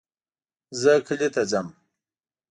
زه کلي ته ځم